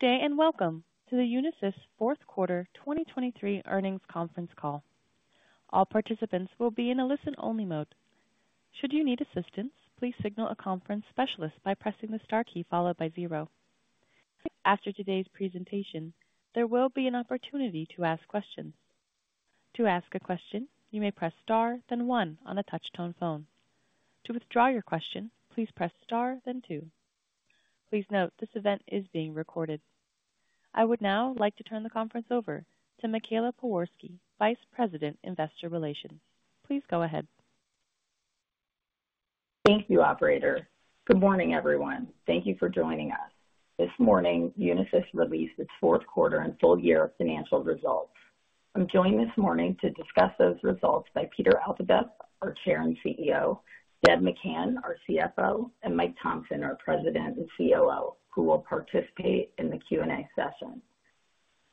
Good day, and welcome to the Unisys Fourth Quarter 2023 Earnings Conference Call. All participants will be in a listen-only mode. Should you need assistance, please signal a conference specialist by pressing the star key followed by zero. After today's presentation, there will be an opportunity to ask questions. To ask a question, you may press Star, then one on a touch-tone phone. To withdraw your question, please press Star, then two. Please note, this event is being recorded. I would now like to turn the conference over to Michaela Pewarski, Vice President of Investor Relations. Please go ahead. Thank you, operator. Good morning, everyone. Thank you for joining us. This morning, Unisys released its fourth quarter and full year financial results. I'm joined this morning to discuss those results by Peter Altabef, our Chair and CEO, Deb McCann, our CFO, and Mike Thomson, our President and COO, who will participate in the Q&A session.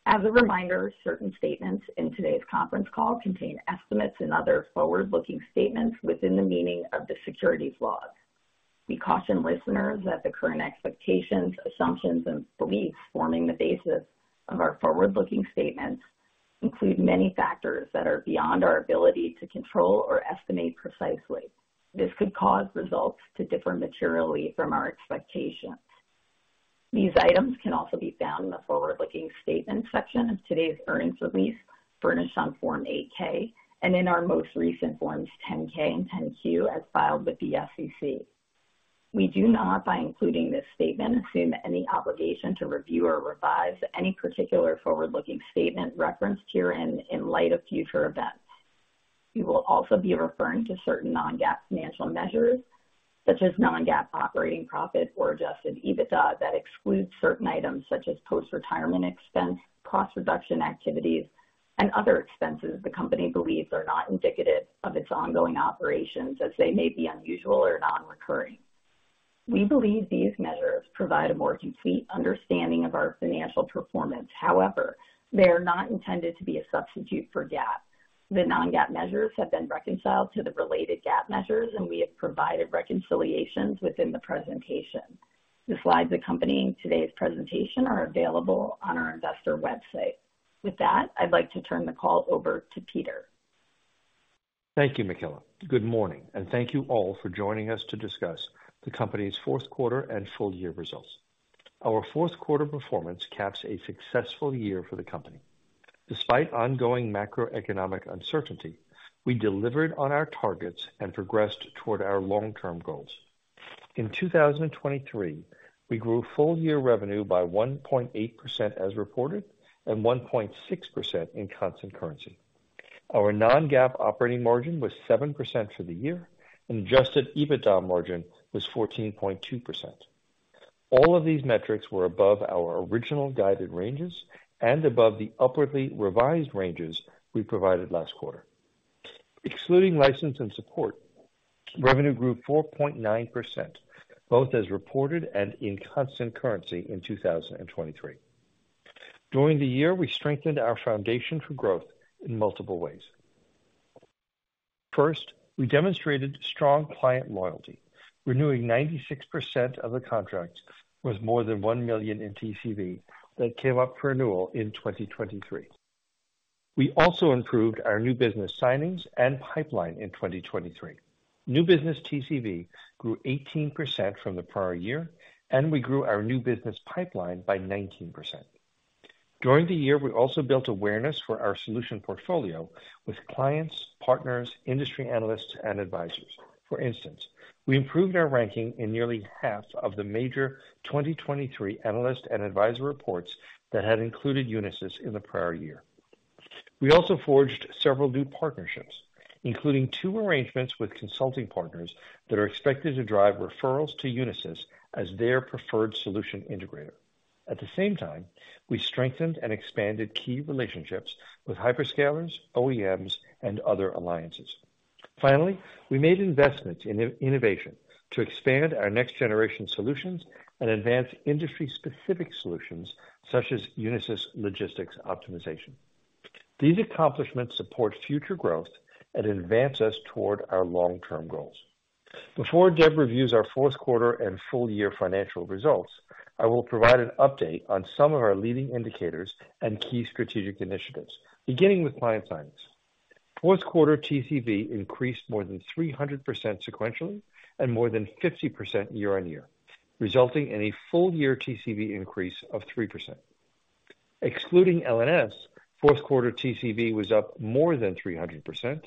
As a reminder, certain statements in today's conference call contain estimates and other forward-looking statements within the meaning of the securities laws. We caution listeners that the current expectations, assumptions, and beliefs forming the basis of our forward-looking statements include many factors that are beyond our ability to control or estimate precisely. This could cause results to differ materially from our expectations. These items can also be found in the Forward-Looking Statements section of today's earnings release, furnished on Form 8-K, and in our most recent Form 10-K and 10-Q, as filed with the SEC. We do not, by including this statement, assume any obligation to review or revise any particular forward-looking statement referenced herein in light of future events. We will also be referring to certain non-GAAP financial measures, such as Non-GAAP Operating Profit or Adjusted EBITDA, that excludes certain items such as post-retirement expense, cost reduction activities, and other expenses the company believes are not indicative of its ongoing operations, as they may be unusual or non-recurring. We believe these measures provide a more complete understanding of our financial performance. However, they are not intended to be a substitute for GAAP. The non-GAAP measures have been reconciled to the related GAAP measures, and we have provided reconciliations within the presentation. The slides accompanying today's presentation are available on our investor website. With that, I'd like to turn the call over to Peter. Thank you, Michaela. Good morning, and thank you all for joining us to discuss the company's fourth quarter and full year results. Our fourth quarter performance caps a successful year for the company. Despite ongoing macroeconomic uncertainty, we delivered on our targets and progressed toward our long-term goals. In 2023, we grew full year revenue by 1.8% as reported, and 1.6% in constant currency. Our non-GAAP operating margin was 7% for the year, and adjusted EBITDA margin was 14.2%. All of these metrics were above our original guided ranges and above the upwardly revised ranges we provided last quarter. Excluding license and support, revenue grew 4.9%, both as reported and in constant currency in 2023. During the year, we strengthened our foundation for growth in multiple ways. First, we demonstrated strong client loyalty, renewing 96% of the contracts with more than $1 million in TCV that came up for renewal in 2023. We also improved our new business signings and pipeline in 2023. New business TCV grew 18% from the prior year, and we grew our new business pipeline by 19%. During the year, we also built awareness for our solution portfolio with clients, partners, industry analysts, and advisors. For instance, we improved our ranking in nearly half of the major 2023 analyst and advisor reports that had included Unisys in the prior year. We also forged several new partnerships, including two arrangements with consulting partners that are expected to drive referrals to Unisys as their preferred solution integrator. At the same time, we strengthened and expanded key relationships with hyperscalers, OEMs, and other alliances. Finally, we made investments in innovation to expand our next generation solutions and advance industry-specific solutions, such as Unisys Logistics Optimization. These accomplishments support future growth and advance us toward our long-term goals. Before Deb reviews our fourth quarter and full year financial results, I will provide an update on some of our leading indicators and key strategic initiatives, beginning with client signs. Fourth quarter TCV increased more than 300% sequentially and more than 50% year-on-year, resulting in a full year TCV increase of 3%. Excluding LNS, fourth quarter TCV was up more than 300%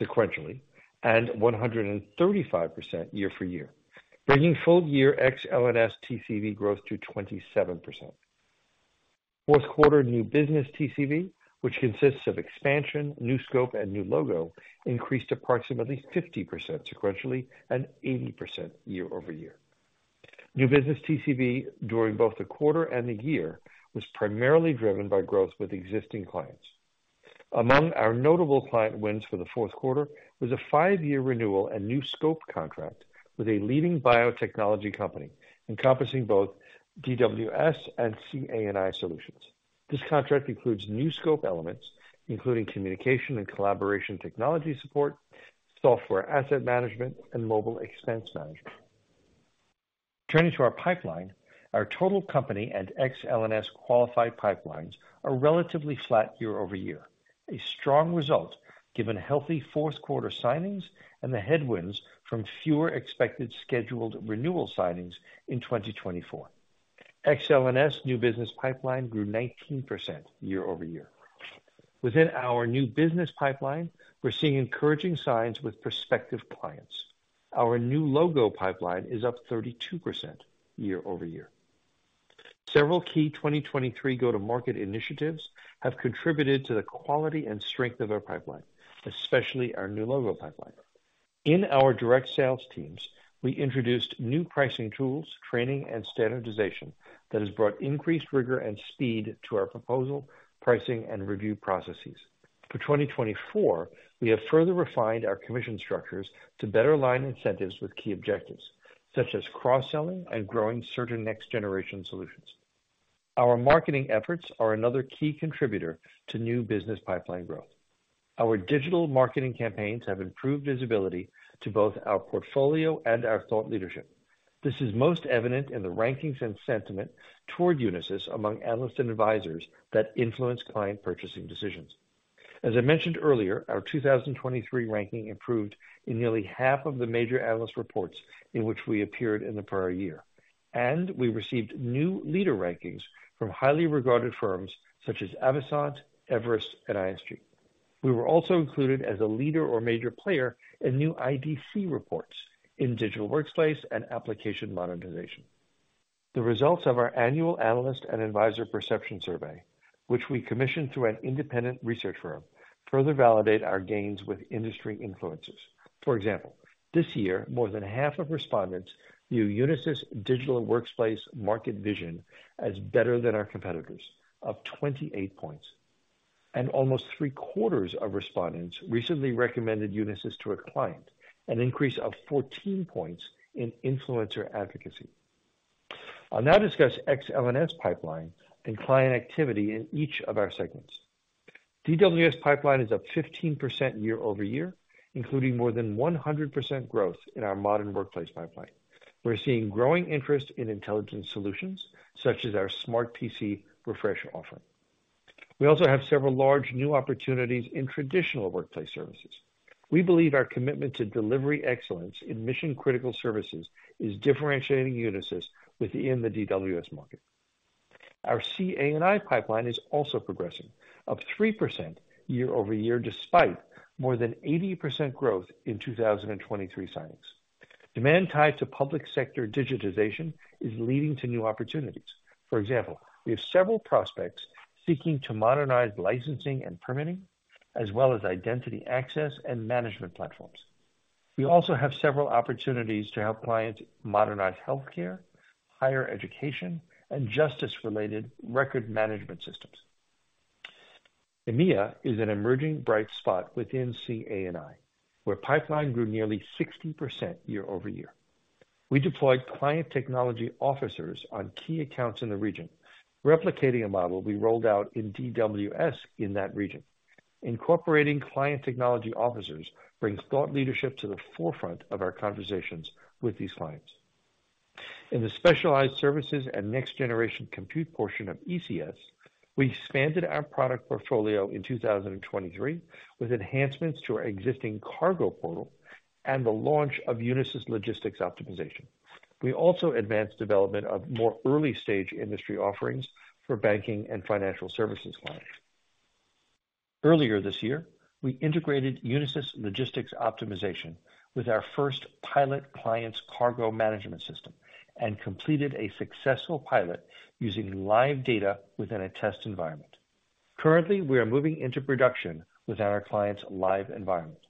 sequentially and 135% year-over-year, bringing full year ex-LNS TCV growth to 27%. Fourth quarter new business TCV, which consists of expansion, new scope, and new logo, increased approximately 50% sequentially and 80% year-over-year. New business TCV, during both the quarter and the year, was primarily driven by growth with existing clients. Among our notable client wins for the fourth quarter was a 5-year renewal and new scope contract with a leading biotechnology company, encompassing both DWS and CA&I solutions. This contract includes new scope elements, including communication and collaboration, technology support, software asset management, and mobile expense management. Turning to our pipeline, our total company and Ex-LNS qualified pipelines are relatively flat year-over-year. A strong result, given healthy fourth quarter signings and the headwinds from fewer expected scheduled renewal signings in 2024. Ex-LNS new business pipeline grew 19% year-over-year. Within our new business pipeline, we're seeing encouraging signs with prospective clients. Our new logo pipeline is up 32% year-over-year. Several key 2023 go-to-market initiatives have contributed to the quality and strength of our pipeline, especially our new logo pipeline. In our direct sales teams, we introduced new pricing tools, training, and standardization that has brought increased rigor and speed to our proposal, pricing, and review processes. For 2024, we have further refined our commission structures to better align incentives with key objectives, such as cross-selling and growing certain next-generation solutions. Our marketing efforts are another key contributor to new business pipeline growth. Our digital marketing campaigns have improved visibility to both our portfolio and our thought leadership. This is most evident in the rankings and sentiment toward Unisys among analysts and advisors that influence client purchasing decisions. As I mentioned earlier, our 2023 ranking improved in nearly half of the major analyst reports in which we appeared in the prior year, and we received new leader rankings from highly regarded firms such as Avasant, Everest, and ISG. We were also included as a leader or major player in new IDC reports in Digital Workplace and Application Modernization. The results of our annual Analyst and Advisor Perception Survey, which we commissioned through an independent research firm, further validate our gains with industry influencers. For example, this year, more than half of respondents view Unisys Digital Workplace market vision as better than our competitors, up 28 points, and almost three-quarters of respondents recently recommended Unisys to a client, an increase of 14 points in influencer advocacy. I'll now discuss Ex-LNS pipeline and client activity in each of our segments. DWS pipeline is up 15% year-over-year, including more than 100% growth in our Modern Workplace pipeline. We're seeing growing interest in intelligence solutions, such as our Smart PC Refresh offering. We also have several large new opportunities in traditional workplace services. We believe our commitment to delivery excellence in mission-critical services is differentiating Unisys within the DWS market. Our CA&I pipeline is also progressing, up 3% year-over-year, despite more than 80% growth in 2023 signings. Demand tied to public sector digitization is leading to new opportunities. For example, we have several prospects seeking to modernize licensing and permitting, as well as identity access and management platforms. We also have several opportunities to help clients modernize healthcare, higher education, and justice-related record management systems. EMEA is an emerging bright spot within CA&I, where pipeline grew nearly 60% year-over-year. We deployed client technology officers on key accounts in the region, replicating a model we rolled out in DWS in that region. Incorporating client technology officers brings thought leadership to the forefront of our conversations with these clients. In the Specialized Services and Next-Generation Compute portion of ECS, we expanded our product portfolio in 2023 with enhancements to our existing cargo portal and the launch of Unisys Logistics Optimization. We also advanced development of more early-stage industry offerings for banking and financial services clients. Earlier this year, we integrated Unisys Logistics Optimization with our first pilot client's cargo management system and completed a successful pilot using live data within a test environment. Currently, we are moving into production within our client's live environment.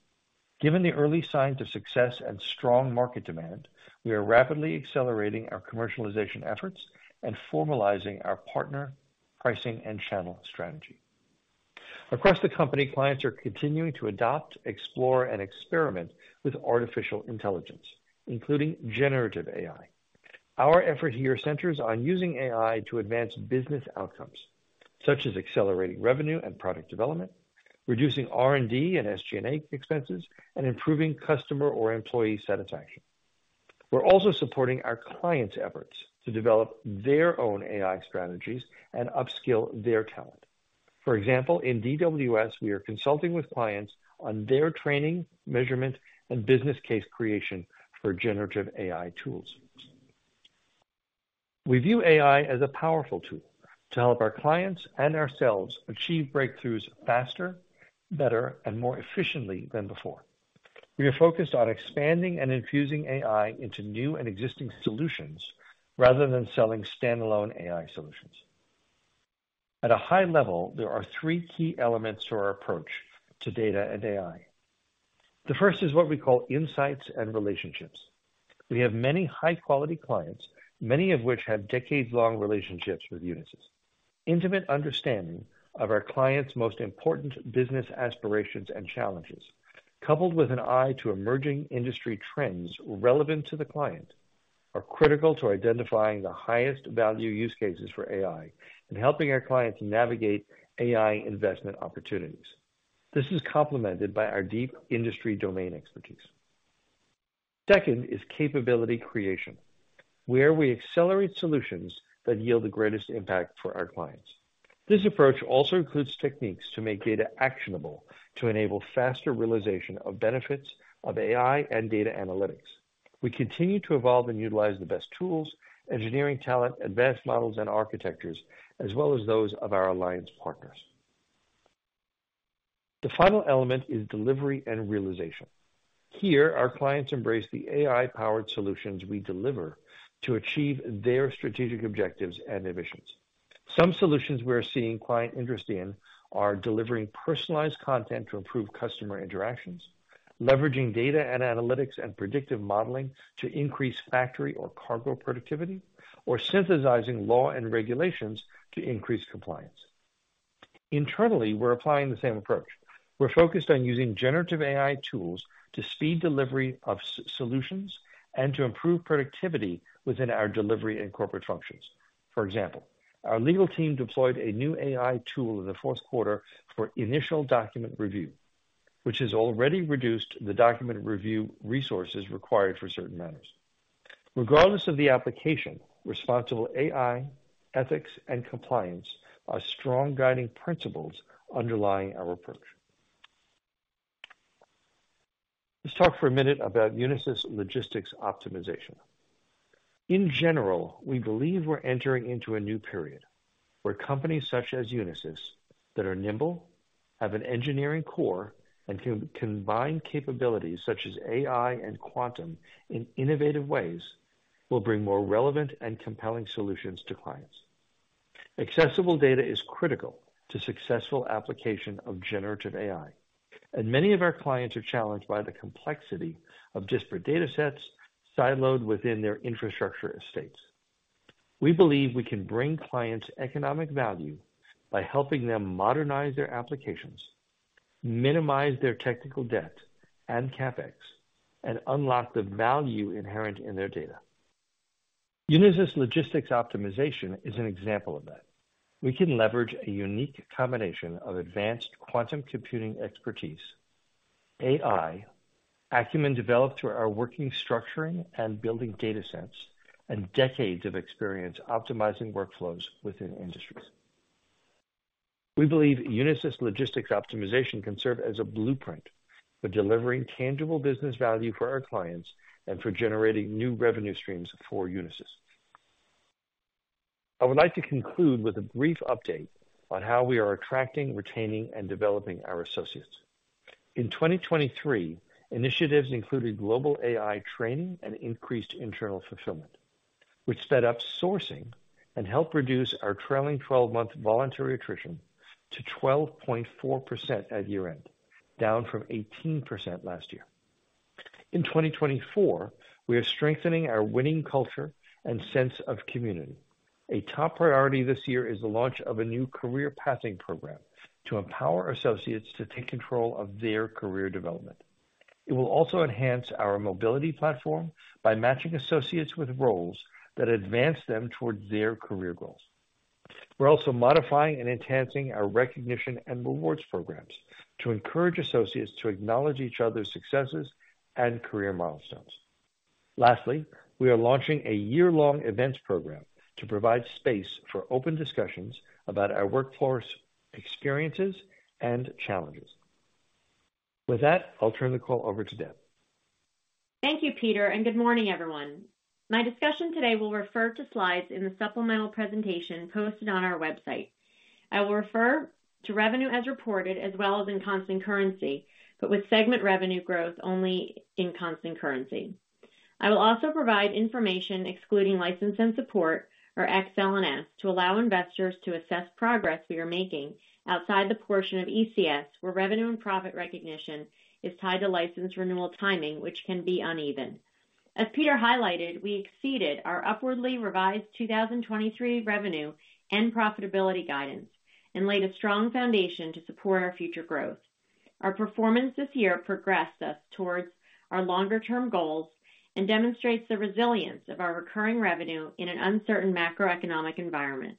Given the early signs of success and strong market demand, we are rapidly accelerating our commercialization efforts and formalizing our partner pricing and channel strategy. Across the company, clients are continuing to adopt, explore, and experiment with artificial intelligence, including generative AI. Our effort here centers on using AI to advance business outcomes, such as accelerating revenue and product development, reducing R&D and SG&A expenses, and improving customer or employee satisfaction. We're also supporting our clients' efforts to develop their own AI strategies and upskill their talent. For example, in DWS, we are consulting with clients on their training, measurement, and business case creation for generative AI tools. We view AI as a powerful tool to help our clients and ourselves achieve breakthroughs faster, better, and more efficiently than before. We are focused on expanding and infusing AI into new and existing solutions rather than selling standalone AI solutions. At a high level, there are three key elements to our approach to data and AI. The first is what we call insights and relationships. We have many high-quality clients, many of which have decades-long relationships with Unisys, intimate understanding of our clients' most important business aspirations and challenges, coupled with an eye to emerging industry trends relevant to the client, are critical to identifying the highest-value use cases for AI and helping our clients navigate AI investment opportunities. This is complemented by our deep industry domain expertise. Second is capability creation, where we accelerate solutions that yield the greatest impact for our clients. This approach also includes techniques to make data actionable, to enable faster realization of benefits of AI and data analytics. We continue to evolve and utilize the best tools, engineering talent, advanced models, and architectures, as well as those of our alliance partners. The final element is delivery and realization. Here, our clients embrace the AI-powered solutions we deliver to achieve their strategic objectives and ambitions. Some solutions we are seeing client interest in are delivering personalized content to improve customer interactions, leveraging data, analytics, and predictive modeling to increase factory or cargo productivity, or synthesizing laws and regulations to increase compliance. Internally, we're applying the same approach. We're focused on using generative AI tools to speed delivery of solutions and to improve productivity within our delivery and corporate functions. For example, our legal team deployed a new AI tool in the fourth quarter for initial document review, which has already reduced the document review resources required for certain matters. Regardless of the application, responsible AI, ethics, and compliance are strong guiding principles underlying our approach. Let's talk for a minute about Unisys Logistics Optimization. In general, we believe we're entering into a new period, where companies such as Unisys that are nimble, have an engineering core, and can combine capabilities such as AI and quantum in innovative ways, will bring more relevant and compelling solutions to clients. Accessible data is critical to successful application of generative AI, and many of our clients are challenged by the complexity of disparate datasets, siloed within their infrastructure estates. We believe we can bring clients economic value by helping them modernize their applications, minimize their technical debt and CapEx, and unlock the value inherent in their data. Unisys Logistics Optimization is an example of that. We can leverage a unique combination of advanced quantum computing expertise, AI, acumen developed through our working, structuring, and building data sets, and decades of experience optimizing workflows within industries. We believe Unisys Logistics Optimization can serve as a blueprint for delivering tangible business value for our clients and for generating new revenue streams for Unisys. I would like to conclude with a brief update on how we are attracting, retaining, and developing our associates. In 2023, initiatives included global AI training and increased internal fulfillment, which sped up sourcing and helped reduce our trailing twelve-month voluntary attrition to 12.4% at year-end, down from 18% last year. In 2024, we are strengthening our winning culture and sense of community. A top priority this year is the launch of a new career pathing program to empower associates to take control of their career development. It will also enhance our mobility platform by matching associates with roles that advance them towards their career goals. We're also modifying and enhancing our recognition and rewards programs to encourage associates to acknowledge each other's successes and career milestones. Lastly, we are launching a year-long events program to provide space for open discussions about our workforce experiences and challenges. With that, I'll turn the call over to Deb. Thank you, Peter, and good morning, everyone. My discussion today will refer to slides in the supplemental presentation posted on our website. I will refer to revenue as reported, as well as in constant currency, but with segment revenue growth only in constant currency. I will also provide information excluding license and support or Ex-LNS, to allow investors to assess progress we are making outside the portion of ECS, where revenue and profit recognition is tied to license renewal timing, which can be uneven. As Peter highlighted, we exceeded our upwardly revised 2023 revenue and profitability guidance and laid a strong foundation to support our future growth. Our performance this year progressed us towards our longer-term goals and demonstrates the resilience of our recurring revenue in an uncertain macroeconomic environment.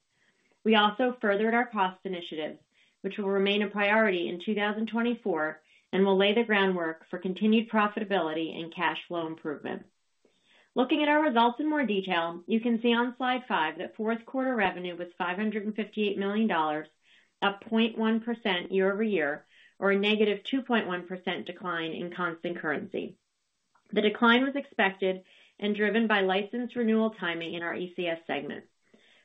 We also furthered our cost initiatives, which will remain a priority in 2024, and will lay the groundwork for continued profitability and cash flow improvement. Looking at our results in more detail, you can see on slide five that fourth quarter revenue was $558 million, up 0.1% year-over-year, or a -2.1% decline in constant currency. The decline was expected and driven by license renewal timing in our ECS segment.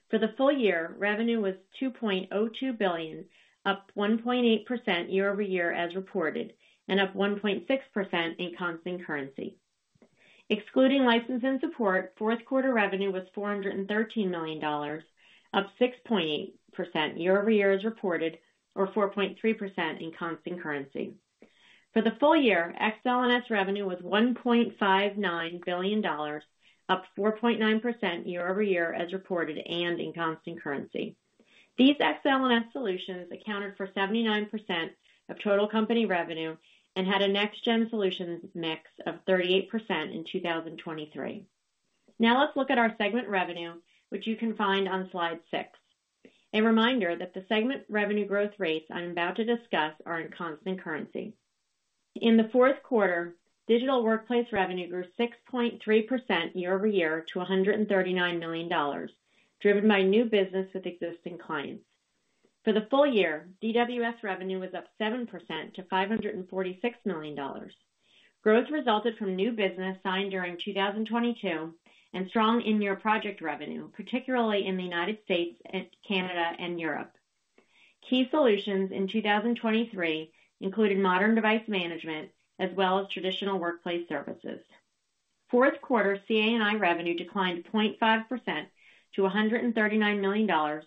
For the full year, revenue was $2.02 billion, up 1.8% year-over-year as reported, and up 1.6% in constant currency. Excluding license and support, fourth quarter revenue was $413 million, up 6.8% year-over-year as reported, or 4.3% in constant currency. For the full year, Ex-LNS revenue was $1.59 billion, up 4.9% year-over-year, as reported and in constant currency. These Ex-LNS solutions accounted for 79% of total company revenue and had a next-gen solutions mix of 38% in 2023. Now let's look at our segment revenue, which you can find on slide six. A reminder that the segment revenue growth rates I'm about to discuss are in constant currency. In the fourth quarter, Digital Workplace revenue grew 6.3% year-over-year to $139 million, driven by new business with existing clients. For the full year, DWS revenue was up 7% to $546 million. Growth resulted from new business signed during 2022 and strong in-year project revenue, particularly in the United States, and Canada, and Europe. Key solutions in 2023 included modern device management as well as traditional workplace services. Fourth quarter, CA&I revenue declined 0.5% to $139 million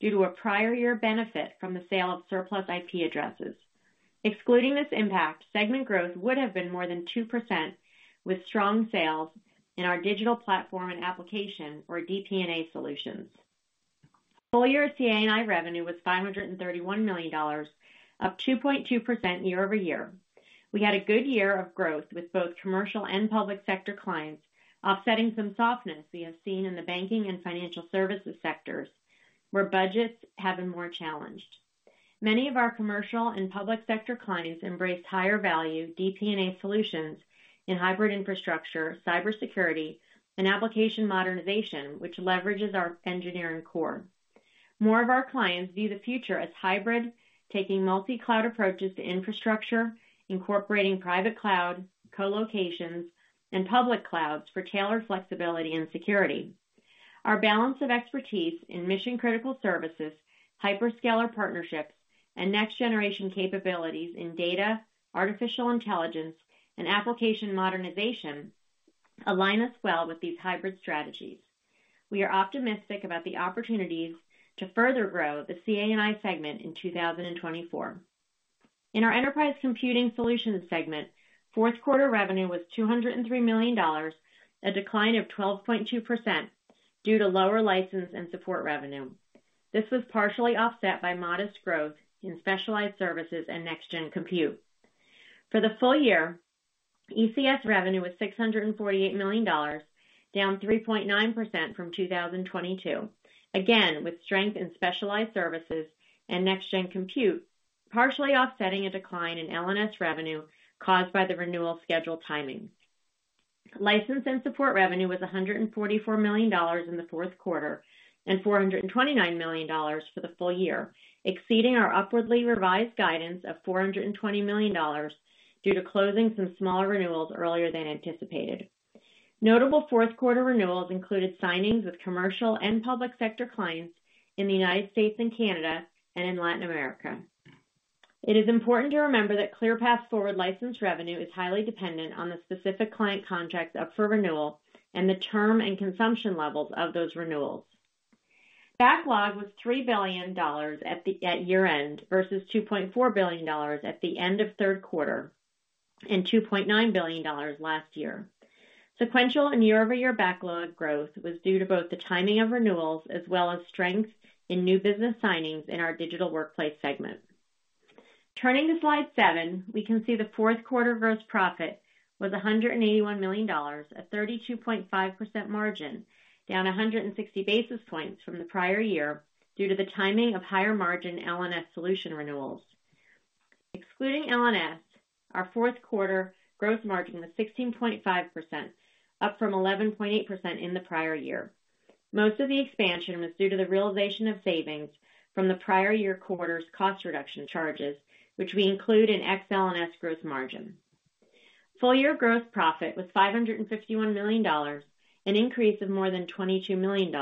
due to a prior year benefit from the sale of surplus IP addresses. Excluding this impact, segment growth would have been more than 2%, with strong sales in our Digital Platform and Application, or DP&A solutions. Full year CA&I revenue was $531 million, up 2.2% year-over-year. We had a good year of growth with both commercial and public sector clients, offsetting some softness we have seen in the banking and financial services sectors, where budgets have been more challenged. Many of our commercial and public sector clients embraced higher value DP&A solutions in hybrid infrastructure, cybersecurity, and Application Modernization, which leverages our engineering core. More of our clients view the future as hybrid, taking multi-cloud approaches to infrastructure, incorporating private cloud, co-locations, and public clouds for tailored flexibility and security. Our balance of expertise in mission-critical services, hyperscaler partnerships, and next-generation capabilities in data, artificial intelligence, and Application Modernization align us well with these hybrid strategies. We are optimistic about the opportunities to further grow the CA&I segment in 2024. In our Enterprise Computing Solutions segment, fourth quarter revenue was $203 million, a decline of 12.2% due to lower license and support revenue. This was partially offset by modest growth in specialized services and next-gen compute. For the full year, ECS revenue was $648 million, down 3.9% from 2022. Again, with strength in specialized services and next-gen compute, partially offsetting a decline in LNS revenue caused by the renewal schedule timing. License and support revenue was $144 million in the fourth quarter and $429 million for the full year, exceeding our upwardly revised guidance of $420 million due to closing some smaller renewals earlier than anticipated. Notable fourth quarter renewals included signings with commercial and public sector clients in the United States and Canada and in Latin America. It is important to remember that ClearPath Forward license revenue is highly dependent on the specific client contracts up for renewal and the term and consumption levels of those renewals. Backlog was $3 billion at year-end versus $2.4 billion at the end of third quarter, and $2.9 billion last year. Sequential and year-over-year backlog growth was due to both the timing of renewals as well as strength in new business signings in our Digital Workplace segment. Turning to slide seven, we can see the fourth quarter gross profit was $181 million, a 32.5% margin, down 160 basis points from the prior year due to the timing of higher margin LNS solution renewals. Excluding LNS, our fourth quarter gross margin was 16.5%, up from 11.8% in the prior year. Most of the expansion was due to the realization of savings from the prior year quarter's cost reduction charges, which we include in Ex-LNS gross margin. Full year gross profit was $551 million, an increase of more than $22 million.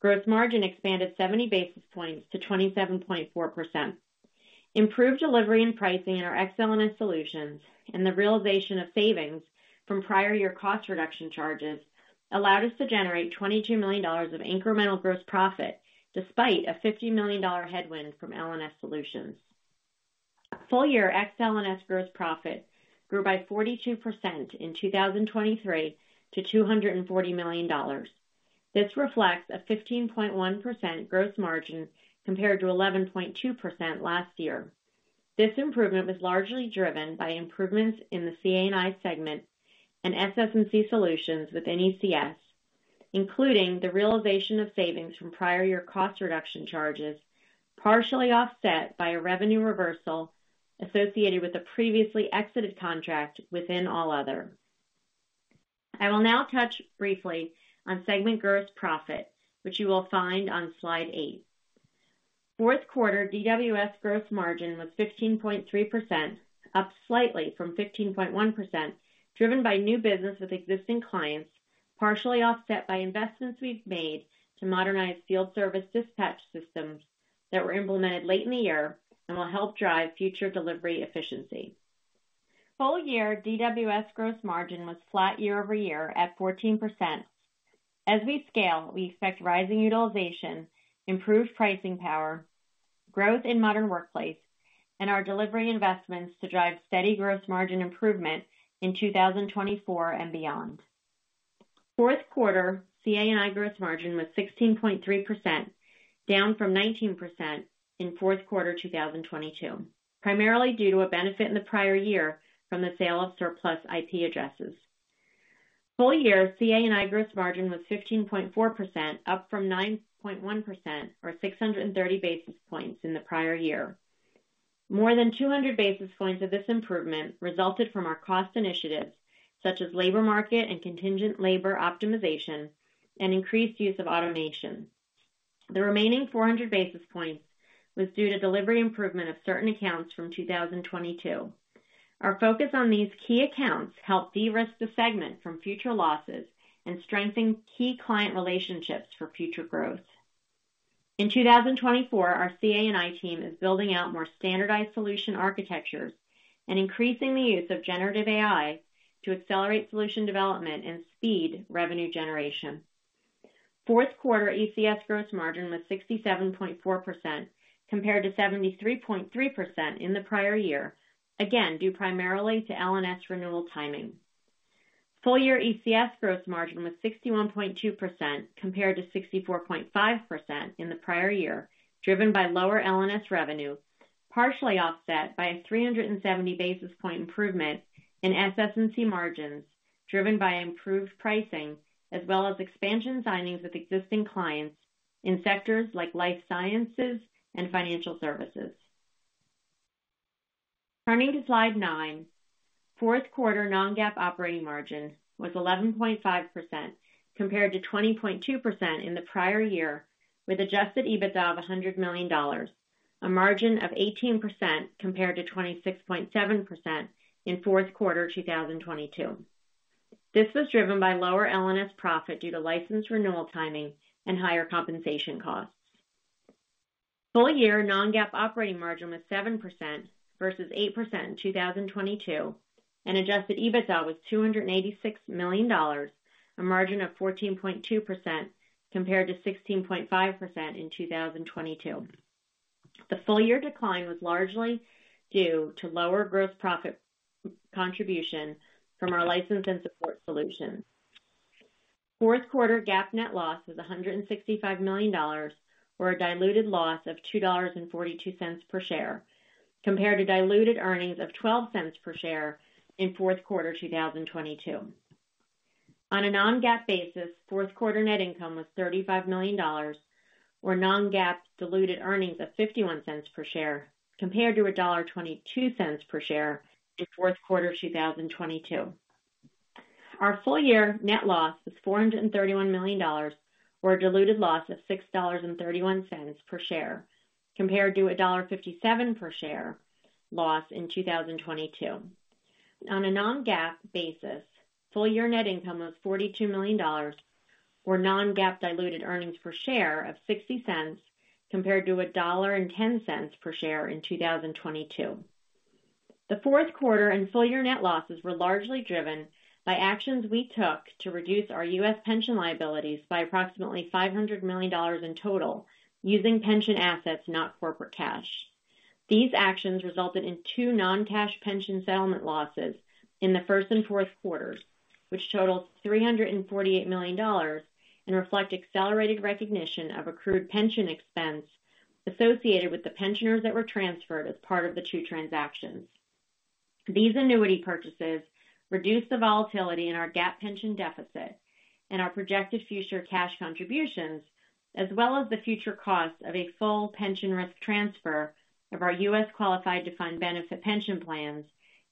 Gross margin expanded 70 basis points to 27.4%. Improved delivery and pricing in our Ex-LNS solutions and the realization of savings from prior year cost reduction charges allowed us to generate $22 million of incremental gross profit, despite a $50 million headwind from LNS solutions. Full year Ex-LNS gross profit grew by 42% in 2023 to $240 million. This reflects a 15.1% gross margin compared to 11.2% last year. This improvement was largely driven by improvements in the CA&I segment and SS&NGC solutions within ECS, including the realization of savings from prior year cost reduction charges, partially offset by a revenue reversal associated with the previously exited contract within all other. I will now touch briefly on segment gross profit, which you will find on slide eight. Fourth quarter DWS gross margin was 15.3%, up slightly from 15.1%, driven by new business with existing clients, partially offset by investments we've made to modernize field service dispatch systems that were implemented late in the year and will help drive future delivery efficiency. Full year DWS gross margin was flat year-over-year at 14%. As we scale, we expect rising utilization, improved pricing power, growth in Modern Workplace, and our delivery investments to drive steady gross margin improvement in 2024 and beyond. Fourth quarter CA&I gross margin was 16.3%, down from 19% in fourth quarter 2022, primarily due to a benefit in the prior year from the sale of surplus IP addresses. Full-year CA&I gross margin was 15.4%, up from 9.1%, or 630 basis points in the prior year. More than 200 basis points of this improvement resulted from our cost initiatives, such as labor market and contingent labor optimization and increased use of automation. The remaining 400 basis points was due to delivery improvement of certain accounts from 2022. Our focus on these key accounts helped de-risk the segment from future losses and strengthen key client relationships for future growth. In 2024, our CA&I team is building out more standardized solution architectures and increasing the use of generative AI to accelerate solution development and speed revenue generation. Fourth quarter ECS gross margin was 67.4%, compared to 73.3% in the prior year, again, due primarily to LNS renewal timing. Full year ECS gross margin was 61.2%, compared to 64.5% in the prior year, driven by lower LNS revenue, partially offset by a 370 basis point improvement in SS&NGC margins, driven by improved pricing, as well as expansion signings with existing clients in sectors like life sciences and financial services. Turning to slide nine. Fourth quarter non-GAAP operating margin was 11.5%, compared to 20.2% in the prior year, with adjusted EBITDA of $100 million, a margin of 18% compared to 26.7% in fourth quarter 2022. This was driven by lower LNS profit due to license renewal timing and higher compensation costs. Full-year non-GAAP operating margin was 7% versus 8% in 2022, and adjusted EBITDA was $286 million, a margin of 14.2% compared to 16.5% in 2022. The full-year decline was largely due to lower gross profit contribution from our license and support solutions. Fourth quarter GAAP net loss was $165 million, or a diluted loss of $2.42 per share, compared to diluted earnings of $0.12 per share in fourth quarter 2022. On a non-GAAP basis, fourth quarter net income was $35 million, or non-GAAP diluted earnings of $0.51 per share, compared to $1.22 per share in fourth quarter 2022. Our full year net loss was $431 million, or a diluted loss of $6.31 per share, compared to $1.57 per share loss in 2022. On a non-GAAP basis, full year net income was $42 million, or non-GAAP diluted earnings per share of $0.60, compared to $1.10 per share in 2022. The fourth quarter and full year net losses were largely driven by actions we took to reduce our U.S. pension liabilities by approximately $500 million in total, using pension assets, not corporate cash. These actions resulted in two non-cash pension settlement losses in the first and fourth quarters, which totaled $348 million and reflect accelerated recognition of accrued pension expense associated with the pensioners that were transferred as part of the two transactions. These annuity purchases reduce the volatility in our GAAP pension deficit and our projected future cash contributions, as well as the future cost of a full pension risk transfer of our U.S. qualified defined benefit pension plans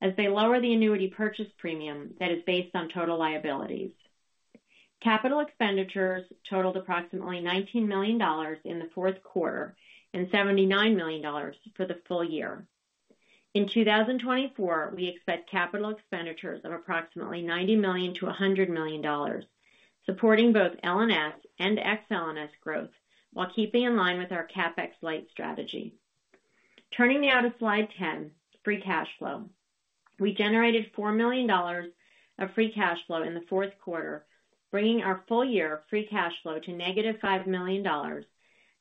as they lower the annuity purchase premium that is based on total liabilities. Capital expenditures totaled approximately $19 million in the fourth quarter and $79 million for the full year. In 2024, we expect capital expenditures of approximately $90 million to $100 million, supporting both LNS and Ex-LNS growth, while keeping in line with our CapEx light strategy. Turning now to slide 10, free cash flow. We generated $4 million of free cash flow in the fourth quarter, bringing our full year free cash flow to -$5 million,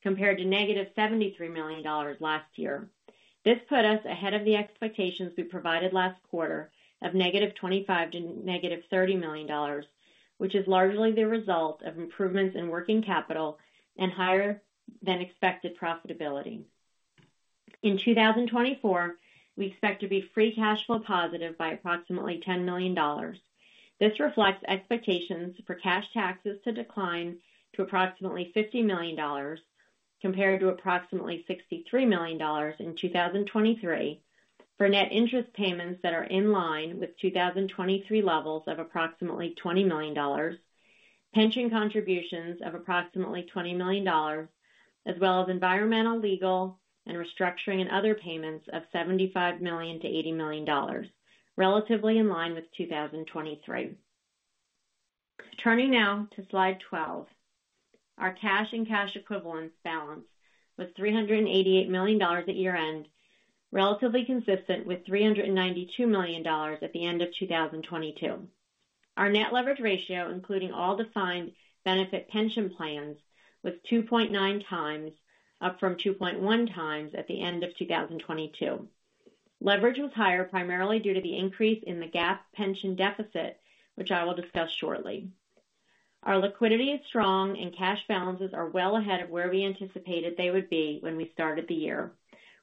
compared to -$73 million last year. This put us ahead of the expectations we provided last quarter of -$25 million to -$30 million, which is largely the result of improvements in working capital and higher than expected profitability. In 2024, we expect to be free cash flow positive by approximately $10 million. This reflects expectations for cash taxes to decline to approximately $50 million, compared to approximately $63 million in 2023, for net interest payments that are in line with 2023 levels of approximately $20 million, pension contributions of approximately $20 million, as well as environmental, legal, and restructuring and other payments of $75 million to $80 million, relatively in line with 2023. Turning now to slide 12. Our cash and cash equivalents balance was $388 million at year-end, relatively consistent with $392 million at the end of 2022. Our net leverage ratio, including all defined benefit pension plans, was 2.9 times, up from 2.1 times at the end of 2022. Leverage was higher, primarily due to the increase in the GAAP pension deficit, which I will discuss shortly. Our liquidity is strong, and cash balances are well ahead of where we anticipated they would be when we started the year,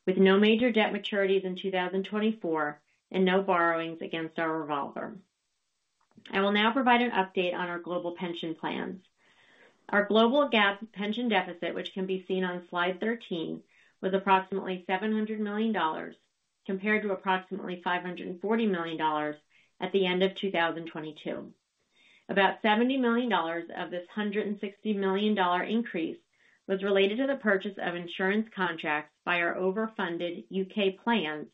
with no major debt maturities in 2024 and no borrowings against our revolver. I will now provide an update on our global pension plans. Our global GAAP pension deficit, which can be seen on slide 13, was approximately $700 million, compared to approximately $540 million at the end of 2022. About $70 million of this $160 million increase was related to the purchase of insurance contracts by our overfunded U.K. plans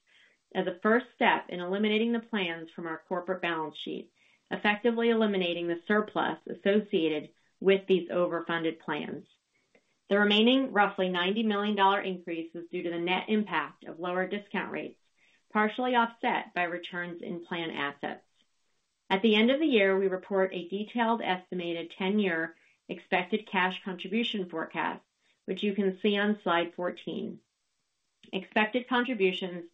as a first step in eliminating the plans from our corporate balance sheet, effectively eliminating the surplus associated with these overfunded plans. The remaining, roughly $90 million increase, was due to the net impact of lower discount rates, partially offset by returns in plan assets. At the end of the year, we report a detailed, estimated 10-year expected cash contribution forecast, which you can see on slide 14. Expected contributions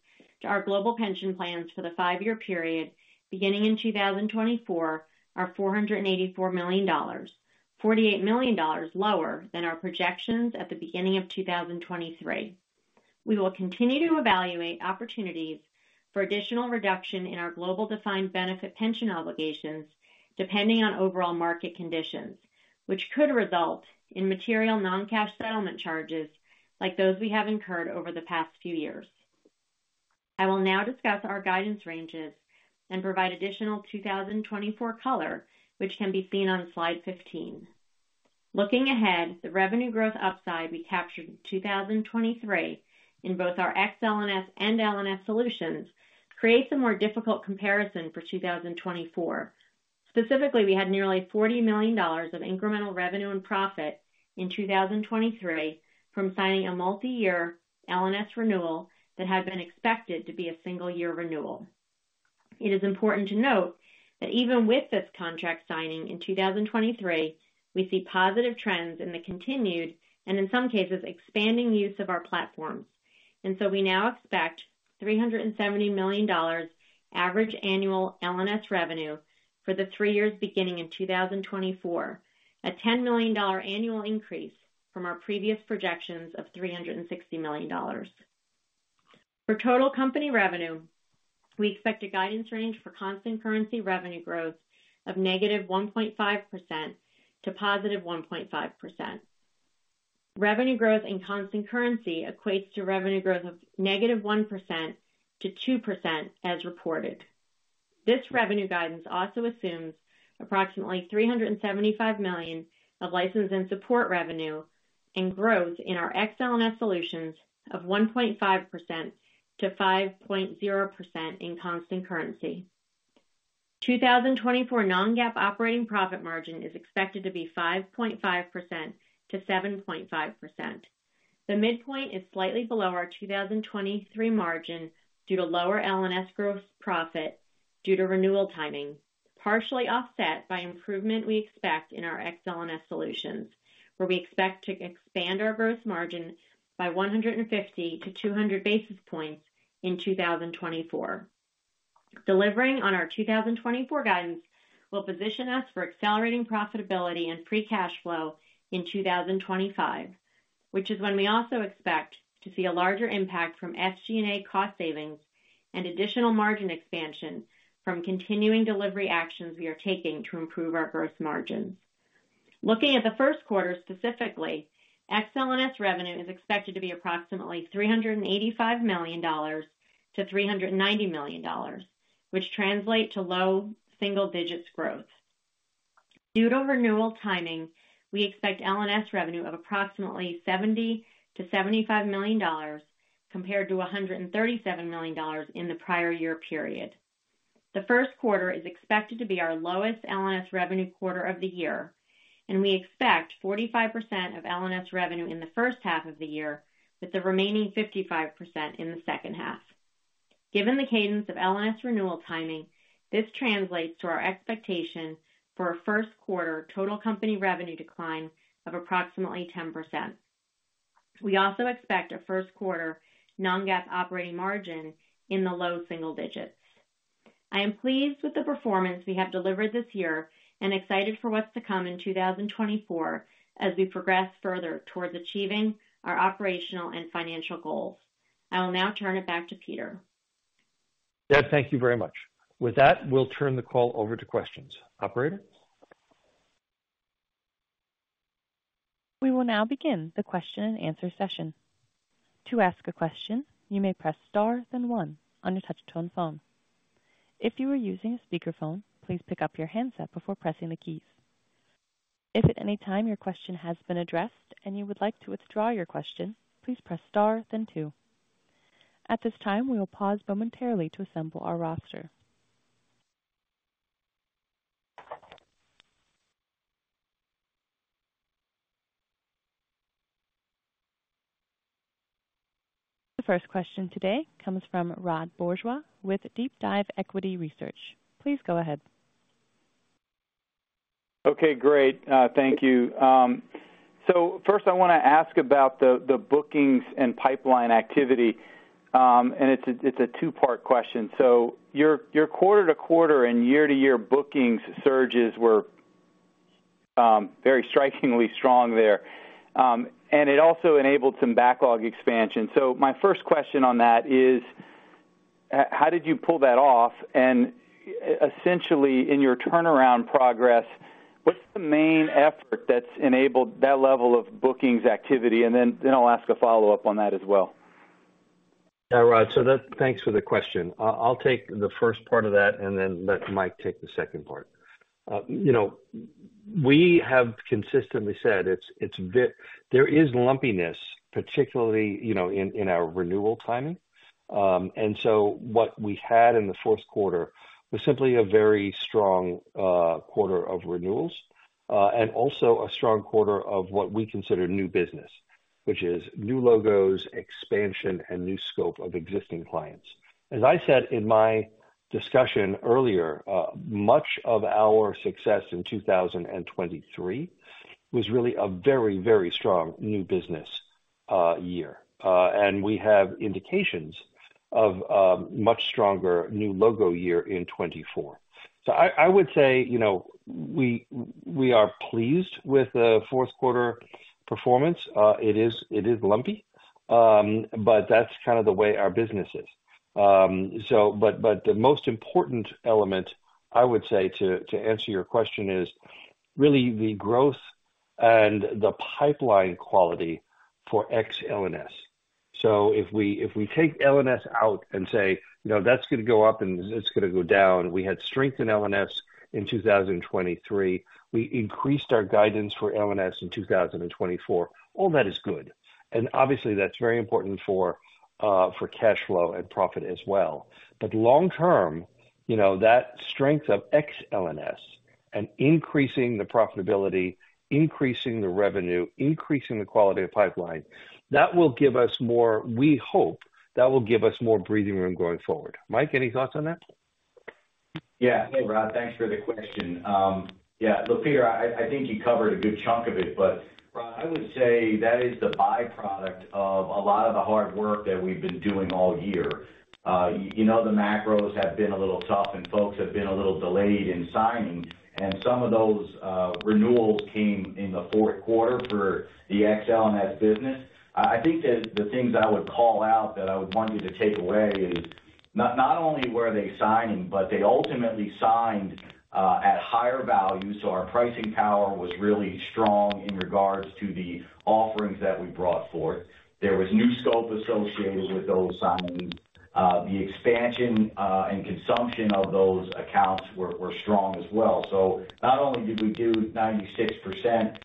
to our global pension plans for the 5-year period beginning in 2024 are $484 million, $48 million lower than our projections at the beginning of 2023. We will continue to evaluate opportunities for additional reduction in our global defined benefit pension obligations, depending on overall market conditions, which could result in material non-cash settlement charges like those we have incurred over the past few years. I will now discuss our guidance ranges and provide additional 2024 color, which can be seen on slide 15. Looking ahead, the revenue growth upside we captured in 2023 in both our Ex-LNS and LNS solutions creates a more difficult comparison for 2024. Specifically, we had nearly $40 million of incremental revenue and profit in 2023 from signing a multi-year LNS renewal that had been expected to be a single-year renewal. It is important to note that even with this contract signing in 2023, we see positive trends in the continued and in some cases expanding use of our platforms. And so we now expect $370 million average annual LNS revenue for the three years beginning in 2024, a $10 million annual increase from our previous projections of $360 million. For total company revenue, we expect a guidance range for Constant Currency revenue growth of -1.5% to +1.5%. Revenue growth in Constant Currency equates to revenue growth of -1% to 2% as reported. This revenue guidance also assumes approximately $375 million of license and support revenue and growth in our Ex-LNS solutions of 1.5%-5.0% in Constant Currency. 2024 Non-GAAP Operating Profit margin is expected to be 5.5%-7.5%. The midpoint is slightly below our 2023 margin due to lower LNS gross profit due to renewal timing, partially offset by improvement we expect in our Ex-LNS solutions, where we expect to expand our gross margin by 150-200 basis points in 2024. Delivering on our 2024 guidance will position us for accelerating profitability and free cash flow in 2025, which is when we also expect to see a larger impact from SG&A cost savings and additional margin expansion from continuing delivery actions we are taking to improve our gross margins. Looking at the first quarter specifically, Ex-LNS revenue is expected to be approximately $385 million to $390 million, which translate to low single digits growth. Due to renewal timing, we expect LNS revenue of approximately $70 to $75 million, compared to $137 million in the prior year period. The first quarter is expected to be our lowest LNS revenue quarter of the year, and we expect 45% of LNS revenue in the first half of the year, with the remaining 55% in the second half. Given the cadence of LNS renewal timing, this translates to our expectation for a first quarter total company revenue decline of approximately 10%. We also expect a first quarter non-GAAP operating margin in the low single digits. I am pleased with the performance we have delivered this year and excited for what's to come in 2024 as we progress further towards achieving our operational and financial goals. I will now turn it back to Peter. Deb, thank you very much. With that, we'll turn the call over to questions. Operator? We will now begin the question and answer session. To ask a question, you may press star, then one on your touch tone phone. If you are using a speakerphone, please pick up your handset before pressing the keys. If at any time your question has been addressed and you would like to withdraw your question, please press star then two. At this time, we will pause momentarily to assemble our roster. The first question today comes from Rod Bourgeois with DeepDive Equity Research. Please go ahead. Okay, great. Thank you. So first, I want to ask about the bookings and pipeline activity, and it's a two-part question. So your quarter-to-quarter and year-to-year bookings surges were very strikingly strong there, and it also enabled some backlog expansion. So my first question on that is: How did you pull that off? And essentially, in your turnaround progress, what's the main effort that's enabled that level of bookings activity? And then I'll ask a follow-up on that as well. Yeah, Rod, so that-- Thanks for the question. I'll take the first part of that and then let Mike take the second part. You know, we have consistently said there is lumpiness, particularly, you know, in our renewal timing. And so what we had in the fourth quarter was simply a very strong quarter of renewals, and also a strong quarter of what we consider new business, which is new logos, expansion, and new scope of existing clients. As I said in my discussion earlier, much of our success in 2023 was really a very, very strong new business year. And we have indications of a much stronger new logo year in 2024. So I would say, you know, we are pleased with the fourth quarter performance. It is, it is lumpy, but that's kind of the way our business is. So but, but the most important element, I would say, to, to answer your question is really the growth and the pipeline quality for Ex-LNS. So if we, if we take LNS out and say, "You know, that's going to go up, and it's going to go down," we had strength in LNS in 2023. We increased our guidance for LNS in 2024. All that is good, and obviously, that's very important for, for cash flow and profit as well. But long term, you know, that strength of Ex-LNS and increasing the profitability, increasing the revenue, increasing the quality of pipeline, that will give us more. We hope that will give us more breathing room going forward. Mike, any thoughts on that? Yeah. Hey, Rod, thanks for the question. Yeah, look, Peter, I, I think you covered a good chunk of it, but Rod, I would say that is the byproduct of a lot of the hard work that we've been doing all year. You know, the macros have been a little tough, and folks have been a little delayed in signing, and some of those renewals came in the fourth quarter for the Ex-LNS business. I, I think that the things I would call out, that I would want you to take away is, not, not only were they signing, but they ultimately signed at higher value, so our pricing power was really strong in regards to the offerings that we brought forth. There was new scope associated with those signings. The expansion and consumption of those accounts were, were strong as well. So not only did we do 96%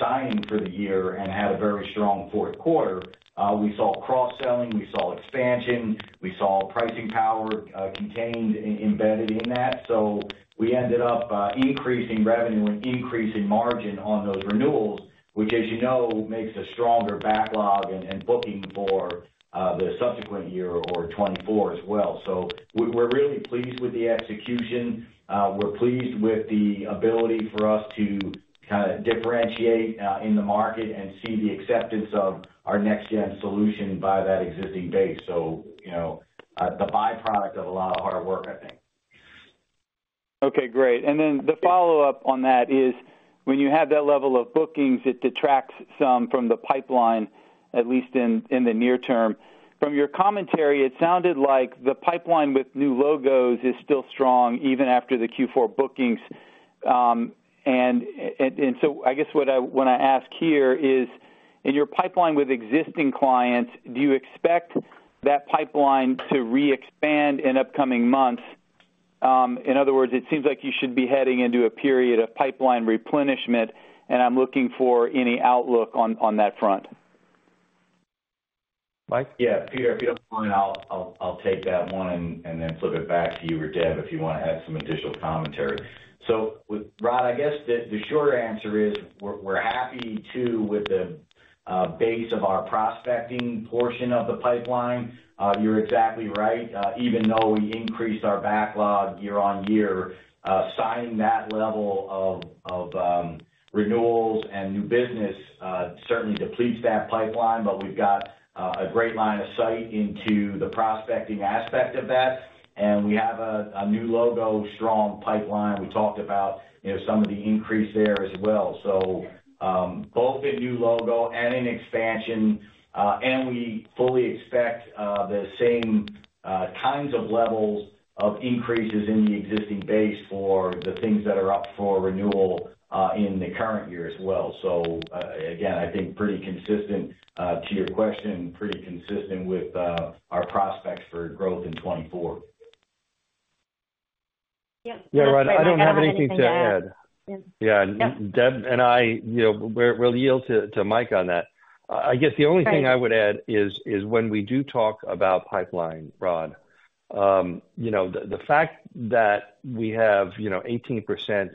signing for the year and had a very strong fourth quarter, we saw cross-selling, we saw expansion, we saw pricing power, contained and embedded in that. So we ended up increasing revenue and increasing margin on those renewals, which, as you know, makes a stronger backlog and booking for the subsequent year or 2024 as well. So we're really pleased with the execution. We're pleased with the ability for us to kind of differentiate in the market and see the acceptance of our next-gen solution by that existing base. So, you know, the byproduct of a lot of hard work, I think. Okay, great. And then the follow-up on that is, when you have that level of bookings, it detracts some from the pipeline, at least in the near term. From your commentary, it sounded like the pipeline with new logos is still strong, even after the Q4 bookings. So I guess what I want to ask here is, in your pipeline with existing clients, do you expect that pipeline to re-expand in upcoming months? In other words, it seems like you should be heading into a period of pipeline replenishment, and I'm looking for any outlook on that front. Mike? Yeah, Peter, if you don't mind, I'll take that one and then flip it back to you or Deb, if you want to add some additional commentary. So, Rod, I guess the short answer is, we're happy, too, with the base of our prospecting portion of the pipeline. You're exactly right. Even though we increased our backlog year-on-year, signing that level of renewals and new business certainly depletes that pipeline, but we've got a great line of sight into the prospecting aspect of that, and we have a new logo strong pipeline. We talked about, you know, some of the increase there as well. So, both in new logo and in expansion, and we fully expect the same kinds of levels of increases in the existing base for the things that are up for renewal in the current year as well. So, again, I think pretty consistent to your question, pretty consistent with our prospects for growth in 2024. Yeah, Rod, I don't have anything to add. Yeah, Deb and I, you know, we're - we'll yield to Mike on that. I guess the only thing I would add is when we do talk about pipeline, Rod, you know, the fact that we have, you know, 18%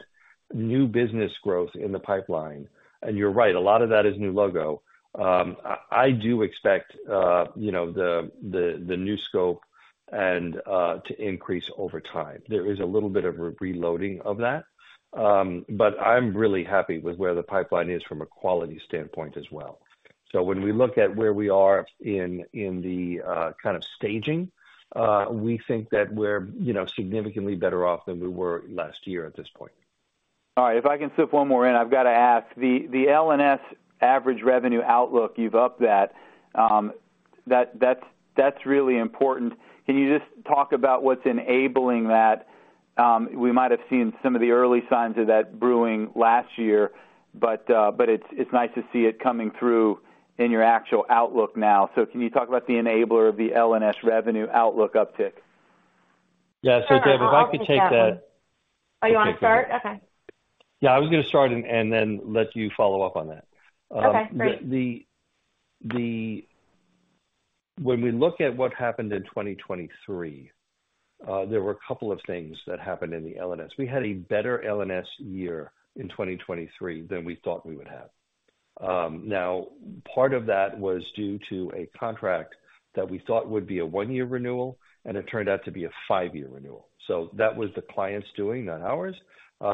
new business growth in the pipeline, and you're right, a lot of that is new logo. I do expect, you know, the new scope and to increase over time. There is a little bit of reloading of that, but I'm really happy with where the pipeline is from a quality standpoint as well. So when we look at where we are in the kind of staging, we think that we're, you know, significantly better off than we were last year at this point. All right. If I can slip one more in, I've got to ask: the LNS average revenue outlook, you've upped that. That's really important. Can you just talk about what's enabling that? We might have seen some of the early signs of that brewing last year, but it's nice to see it coming through in your actual outlook now. So can you talk about the enabler of the LNS revenue outlook uptick? Yeah. So, Deb, if I could take that- Oh, you want to start? Okay. Yeah, I was going to start and then let you follow up on that. Okay, great. When we look at what happened in 2023, there were a couple of things that happened in the LNS. We had a better LNS year in 2023 than we thought we would have. Now, part of that was due to a contract that we thought would be a 1-year renewal, and it turned out to be a 5-year renewal. So that was the client's doing, not ours.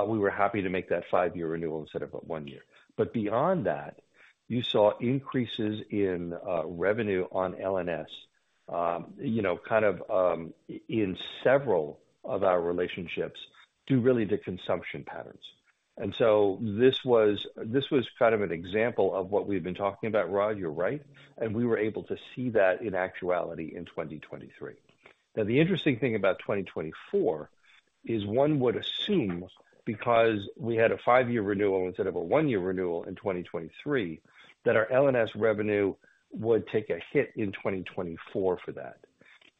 We were happy to make that 5-year renewal instead of a 1-year. But beyond that, you saw increases in revenue on LNS, you know, kind of in several of our relationships, due really to consumption patterns. And so this was, this was kind of an example of what we've been talking about, Rod, you're right, and we were able to see that in actuality in 2023. Now, the interesting thing about 2024 is one would assume, because we had a five-year renewal instead of a one-year renewal in 2023, that our LNS revenue would take a hit in 2024 for that.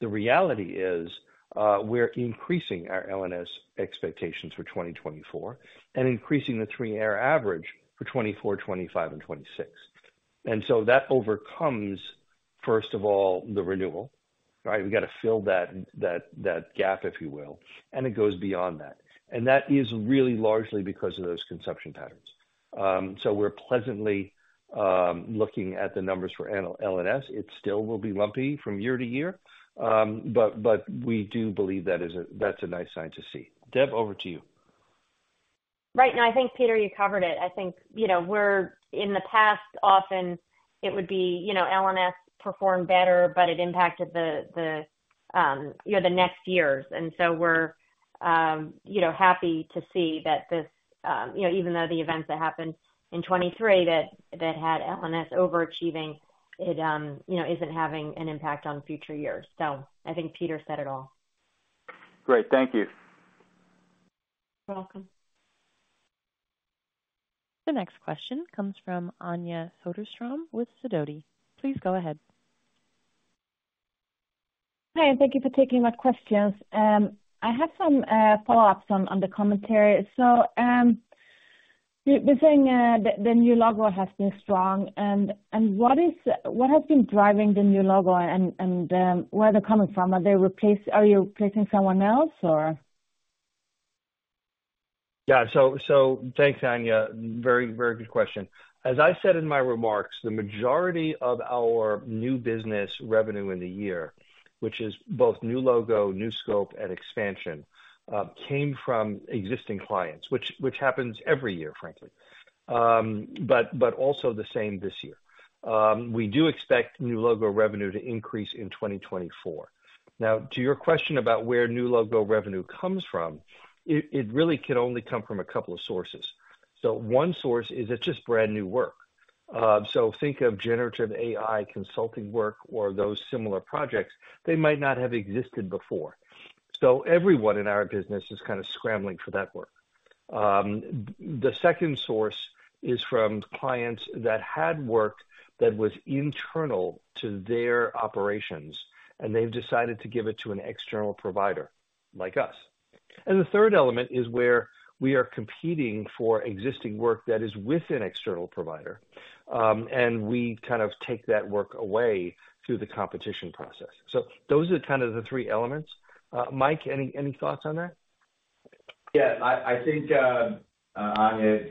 The reality is, we're increasing our LNS expectations for 2024 and increasing the three-year average for 2024, 2025, and 2026. And so that overcomes, first of all, the renewal, right? We've got to fill that, that, that gap, if you will, and it goes beyond that. And that is really largely because of those consumption patterns. So we're pleasantly looking at the numbers for LNS. It still will be lumpy from year to year, but, but we do believe that is that's a nice sign to see. Deb, over to you. Right. No, I think, Peter, you covered it. I think, you know, we're in the past, often it would be, you know, LNS performed better, but it impacted the, you know, the next years. And so we're, you know, happy to see that this, you know, even though the events that happened in 2023, that had LNS overachieving, it, you know, isn't having an impact on future years. So I think Peter said it all. Great. Thank you. You're welcome. The next question comes from Anja Soderstrom with Sidoti. Please go ahead. Hi, and thank you for taking my questions. I have some follow-ups on the commentary. So, you're saying the new logo has been strong, and what has been driving the new logo and where they're coming from? Are you replacing someone else, or? Yeah. So thanks, Anja. Very, very good question. As I said in my remarks, the majority of our new business revenue in the year, which is both new logo, new scope, and expansion, came from existing clients, which happens every year, frankly, but also the same this year. We do expect new logo revenue to increase in 2024. Now, to your question about where new logo revenue comes from, it really can only come from a couple of sources. So one source is it's just brand-new work. So think of generative AI consulting work or those similar projects. They might not have existed before. So everyone in our business is kind of scrambling for that work. The second source is from clients that had work that was internal to their operations, and they've decided to give it to an external provider like us. And the third element is where we are competing for existing work that is with an external provider, and we kind of take that work away through the competition process. So those are kind of the three elements. Mike, any thoughts on that? Yeah, I think, Anja,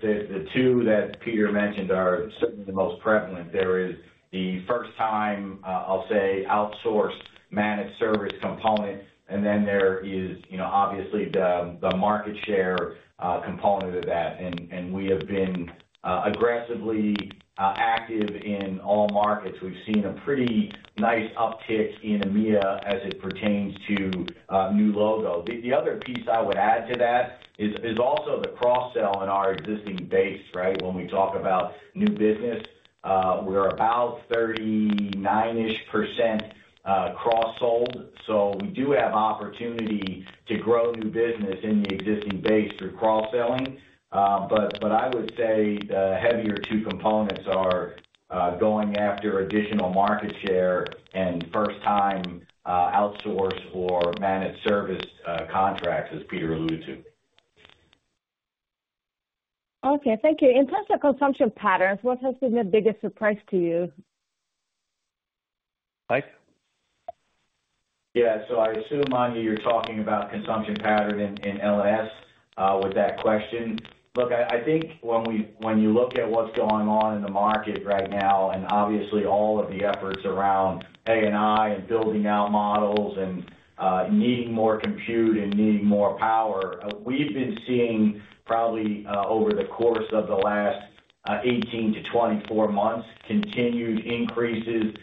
the two that Peter mentioned are certainly the most prevalent. There is the first-time, I'll say, outsourced managed service component, and then there is, you know, obviously, the market share component of that. And we have been aggressively active in all markets. We've seen a pretty nice uptick in EMEA as it pertains to new logo. The other piece I would add to that is also the cross-sell in our existing base, right? When we talk about new business, we're about 39%-ish cross-sold, so we do have opportunity to grow new business in the existing base through cross-selling. But I would say the heavier two components are going after additional market share and first-time outsource or managed service contracts, as Peter alluded to. Okay, thank you. In terms of consumption patterns, what has been the biggest surprise to you? Mike? Yeah. So I assume, Anja, you're talking about consumption pattern in LNS with that question. Look, I think when you look at what's going on in the market right now, and obviously all of the efforts around AI and building out models and needing more compute and needing more power, we've been seeing probably over the course of the last 18-24 months, continued increases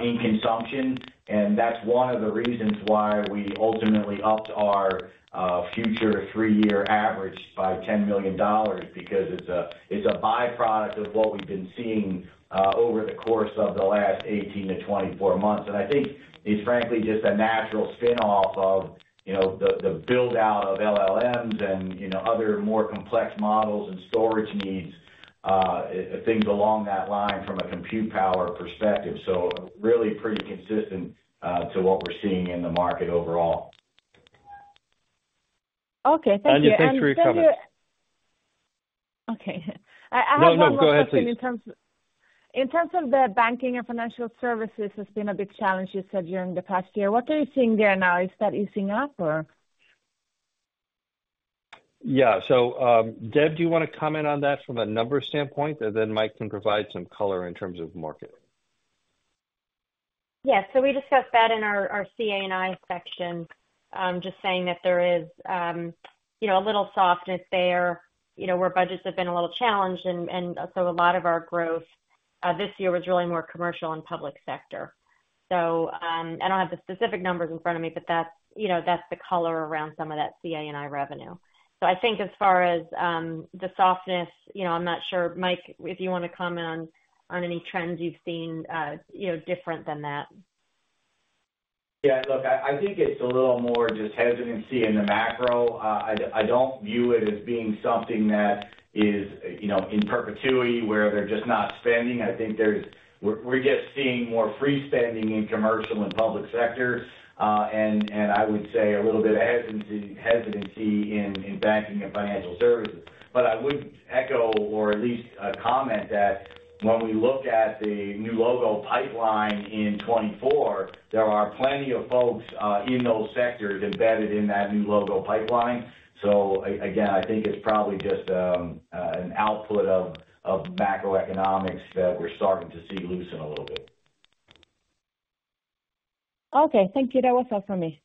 in consumption. And that's one of the reasons why we ultimately upped our future 3-year average by $10 million, because it's a by-product of what we've been seeing over the course of the last 18-24 months. I think it's frankly just a natural spin-off of, you know, the build-out of LLMs and, you know, other more complex models and storage needs, things along that line from a compute power perspective. So really pretty consistent to what we're seeing in the market overall. Okay, thank you. Anja, thanks for your comment. Okay. I have one more question- No, no, go ahead, please. In terms of the banking and financial services, it's been a big challenge, you said, during the past year. What are you seeing there now? Is that easing up or? Yeah. So, Deb, do you want to comment on that from a numbers standpoint, and then Mike can provide some color in terms of market? Yeah. So we discussed that in our CA&I section. Just saying that there is, you know, a little softness there, you know, where budgets have been a little challenged, and so a lot of our growth this year was really more commercial and public sector. So, I don't have the specific numbers in front of me, but that's, you know, that's the color around some of that CA&I revenue. So I think as far as the softness, you know, I'm not sure, Mike, if you want to comment on any trends you've seen, you know, different than that. Yeah, look, I think it's a little more just hesitancy in the macro. I don't view it as being something that is, you know, in perpetuity, where they're just not spending. I think we're just seeing more free spending in commercial and public sector, and I would say a little bit of hesitancy in banking and financial services. But I would echo, or at least, comment that when we look at the new logo pipeline in 2024, there are plenty of folks in those sectors embedded in that new logo pipeline. So again, I think it's probably just an output of macroeconomics that we're starting to see loosen a little bit. Okay, thank you. That was all for me.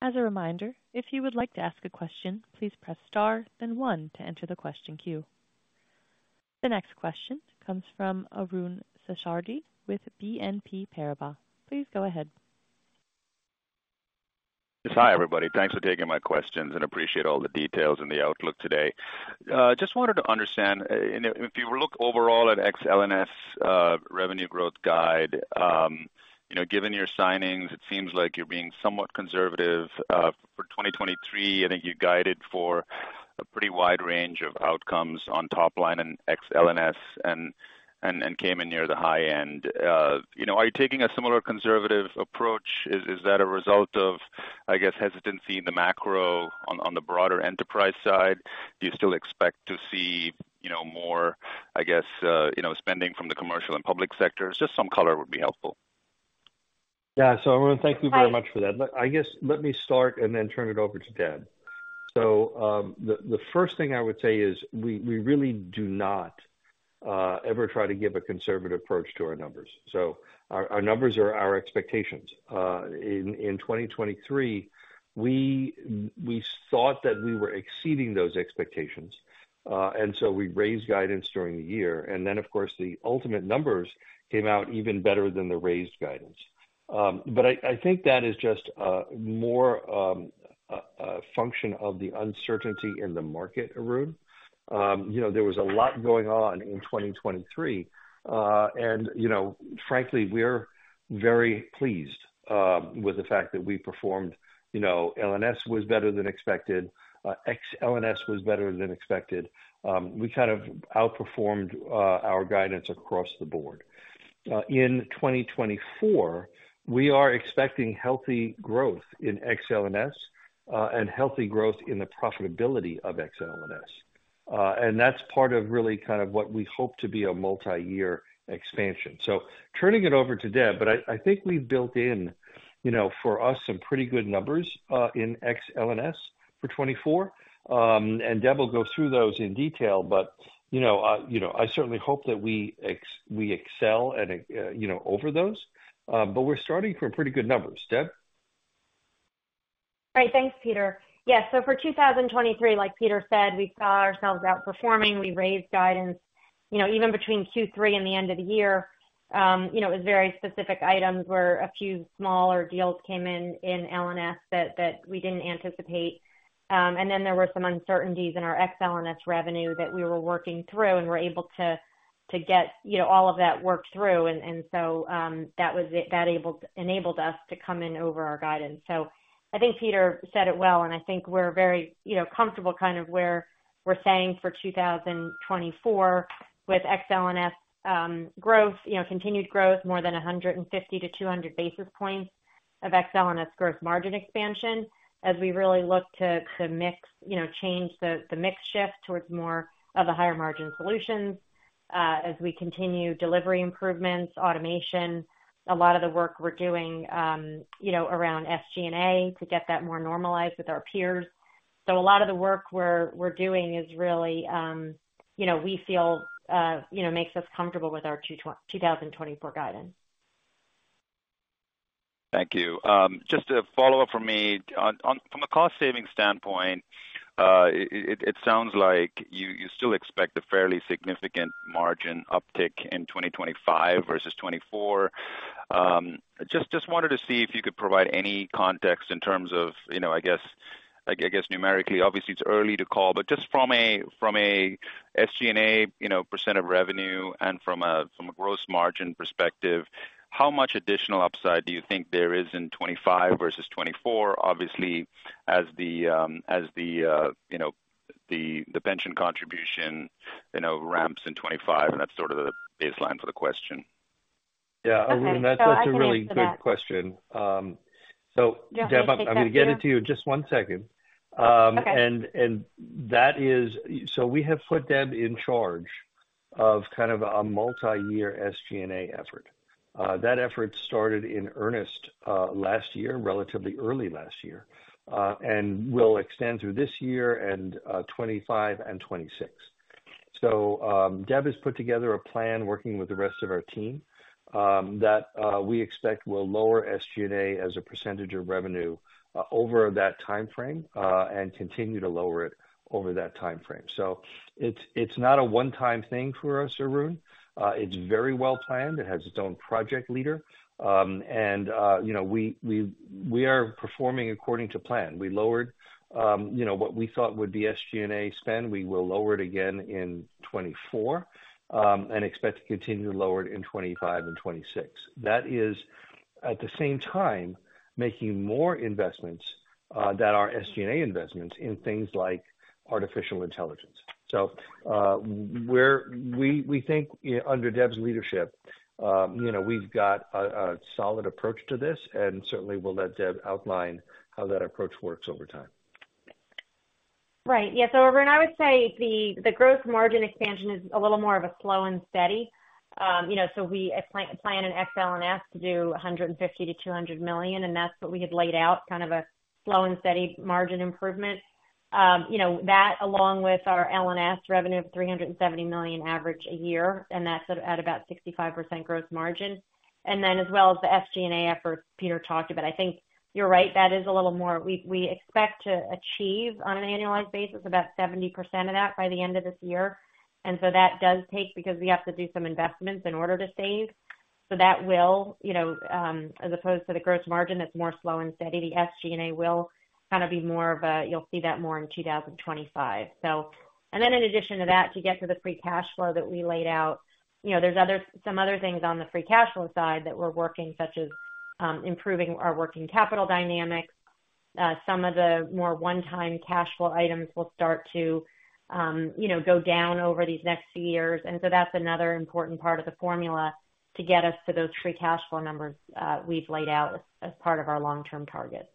As a reminder, if you would like to ask a question, please press Star, then 1 to enter the question queue. The next question comes from Arun Seshadri with BNP Paribas. Please go ahead. Hi, everybody. Thanks for taking my questions, and appreciate all the details and the outlook today. Just wanted to understand, you know, if you look overall at Ex-LNS revenue growth guide, you know, given your signings, it seems like you're being somewhat conservative. For 2023, I think you guided for a pretty wide range of outcomes on top line and Ex-LNS, and came in near the high end. You know, are you taking a similar conservative approach? Is that a result of, I guess, hesitancy in the macro on the broader enterprise side? Do you still expect to see, you know, more, I guess, you know, spending from the commercial and public sectors? Just some color would be helpful. Yeah. So Arun, thank you very much for that. I guess, let me start and then turn it over to Deb. So, the first thing I would say is, we really do not ever try to give a conservative approach to our numbers. So our numbers are our expectations. In 2023, we thought that we were exceeding those expectations, and so we raised guidance during the year, and then, of course, the ultimate numbers came out even better than the raised guidance. But I think that is just more a function of the uncertainty in the market, Arun. You know, there was a lot going on in 2023, and, you know, frankly, we're very pleased with the fact that we performed. You know, LNS was better than expected, Ex-LNS was better than expected. We kind of outperformed our guidance across the board. In 2024, we are expecting healthy growth in Ex-LNS, and healthy growth in the profitability of Ex-LNS. And that's part of really kind of what we hope to be a multi-year expansion. So turning it over to Deb, but I think we've built in, you know, for us, some pretty good numbers in Ex-LNS for 2024. And Deb will go through those in detail, but, you know, I certainly hope that we ex we excel and, you know, over those, but we're starting from pretty good numbers. Deb? Great. Thanks, Peter. Yeah, so for 2023, like Peter said, we saw ourselves outperforming. We raised guidance, you know, even between Q3 and the end of the year. You know, it was very specific items where a few smaller deals came in, in LNS that we didn't anticipate. And then there were some uncertainties in our Ex-LNS revenue that we were working through and were able to get, you know, all of that worked through. And so, that enabled us to come in over our guidance. So I think Peter said it well, and I think we're very, you know, comfortable kind of where we're saying for 2024 with Ex-LNS growth, you know, continued growth, more than 150-200 basis points of XL and its gross margin expansion as we really look to mix, you know, change the mix shift towards more of the higher margin solutions, as we continue delivery improvements, automation, a lot of the work we're doing, you know, around SG&A to get that more normalized with our peers. So a lot of the work we're doing is really, you know, we feel, you know, makes us comfortable with our 2024 guidance. Thank you. Just a follow-up from me. From a cost-saving standpoint, it sounds like you still expect a fairly significant margin uptick in 2025 versus 2024. Just wanted to see if you could provide any context in terms of, you know, I guess, like, I guess numerically, obviously, it's early to call, but just from a SG&A, you know, percent of revenue and from a gross margin perspective, how much additional upside do you think there is in 2025 versus 2024? Obviously, as the, you know, the pension contribution, you know, ramps in 2025, and that's sort of the baseline for the question. Yeah, Arun, that's a really good question. So Deb, I'm gonna get it to you. Just one second. Okay. So we have put Deb in charge of kind of a multiyear SG&A effort. That effort started in earnest last year, relatively early last year, and will extend through this year and 2025 and 2026. So Deb has put together a plan working with the rest of our team that we expect will lower SG&A as a percentage of revenue over that timeframe and continue to lower it over that timeframe. So it's not a one-time thing for us, Arun. It's very well planned. It has its own project leader. And you know, we are performing according to plan. We lowered what we thought would be SG&A spend. We will lower it again in 2024 and expect to continue to lower it in 2025 and 2026. That is, at the same time, making more investments that are SG&A investments in things like artificial intelligence. So, we think, under Deb's leadership, you know, we've got a solid approach to this, and certainly, we'll let Deb outline how that approach works over time. Right. Yeah, so Arun, I would say the gross margin expansion is a little more of a slow and steady. You know, so we plan in Ex-LNS to do $150 million to $200 million, and that's what we had laid out, kind of a slow and steady margin improvement. You know, that along with our LNS revenue of $370 million average a year, and that's at about 65% gross margin, and then as well as the SG&A efforts Peter talked about. I think you're right, that is a little more we expect to achieve on an annualized basis, about 70% of that by the end of this year. And so that does take, because we have to do some investments in order to save. So that will, you know, as opposed to the gross margin, that's more slow and steady. The SG&A will kind of be more of a, you'll see that more in 2025. So, and then in addition to that, to get to the free cash flow that we laid out, you know, there's other, some other things on the free cash flow side that we're working, such as, improving our working capital dynamics. Some of the more one-time cash flow items will start to, you know, go down over these next few years. And so that's another important part of the formula to get us to those free cash flow numbers, we've laid out as, as part of our long-term targets.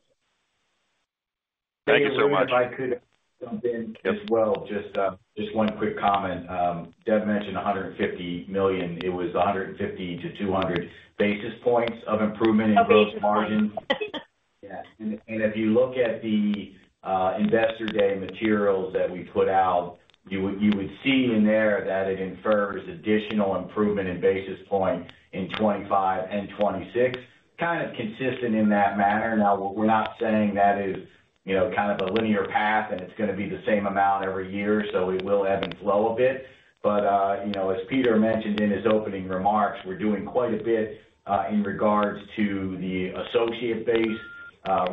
Thank you so much. If I could jump in as well. Just one quick comment. Deb mentioned 150 million. It was 150-200 basis points of improvement in gross margin. Yeah, and if you look at the Investor Day materials that we put out, you would see in there that it infers additional improvement in basis points in 2025 and 2026, kind of consistent in that manner. Now, we're not saying that is, you know, kind of a linear path, and it's gonna be the same amount every year, so we will ebb and flow a bit. But, you know, as Peter mentioned in his opening remarks, we're doing quite a bit, in regards to the associate base,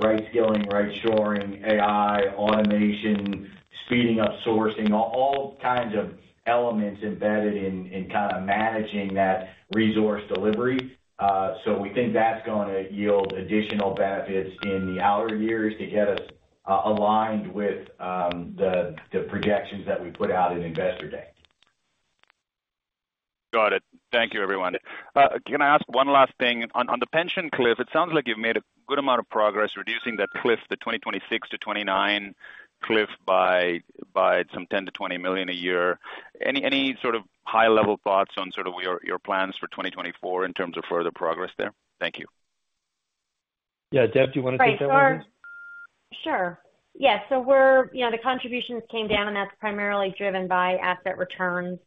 right scaling, right shoring, AI, automation, speeding up sourcing, all kinds of elements embedded in kind of managing that resource delivery. So we think that's going to yield additional benefits in the outer years to get us aligned with the projections that we put out in Investor Day. Got it. Thank you, everyone. Can I ask one last thing? On, on the pension cliff, it sounds like you've made a good amount of progress reducing that cliff, the 2026-2029 cliff, by, by some $10 million to $20 million a year. Any, any sort of high-level thoughts on sort of your, your plans for 2024 in terms of further progress there? Thank you. Yeah. Deb, do you want to take that one? Sure. Yeah, so we're, you know, the contributions came down, and that's primarily driven by asset returns.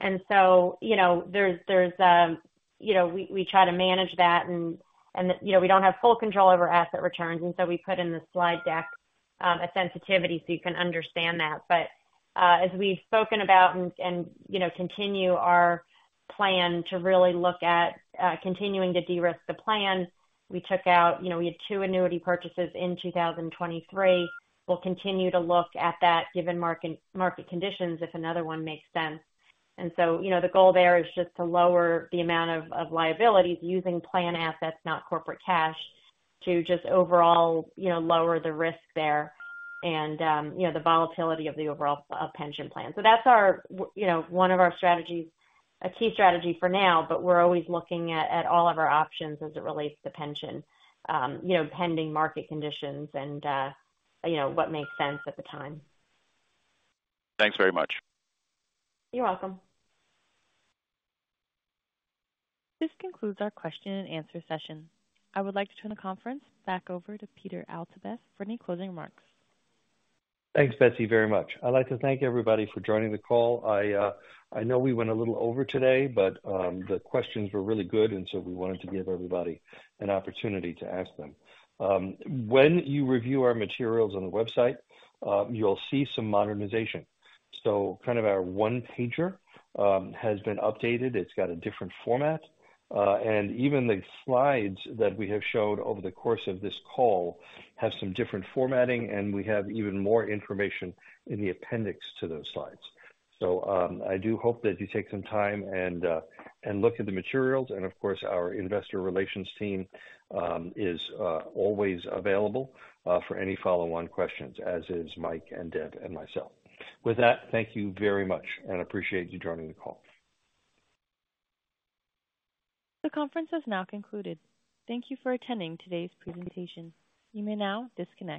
And so, you know, there's, there's, you know, we, we try to manage that and, and, you know, we don't have full control over asset returns, and so we put in the slide deck, a sensitivity so you can understand that. But, as we've spoken about and, and, you know, continue our plan to really look at, continuing to de-risk the plan, we took out. You know, we had two annuity purchases in 2023. We'll continue to look at that given market, market conditions, if another one makes sense. And so, you know, the goal there is just to lower the amount of liabilities using plan assets, not corporate cash, to just overall, you know, lower the risk there and the volatility of the overall pension plan. So that's our, you know, one of our strategies, a key strategy for now, but we're always looking at all of our options as it relates to pension, you know, pending market conditions and what makes sense at the time. Thanks very much. You're welcome. This concludes our question and answer session. I would like to turn the conference back over to Peter Altabef for any closing remarks. Thanks, Betsy, very much. I'd like to thank everybody for joining the call. I know we went a little over today, but the questions were really good, and so we wanted to give everybody an opportunity to ask them. When you review our materials on the website, you'll see some modernization. So kind of our one pager has been updated. It's got a different format, and even the slides that we have showed over the course of this call have some different formatting, and we have even more information in the appendix to those slides. So I do hope that you take some time and look at the materials. And of course, our investor relations team is always available for any follow-on questions, as is Mike and Deb and myself. With that, thank you very much, and appreciate you joining the call. The conference has now concluded. Thank you for attending today's presentation. You may now disconnect.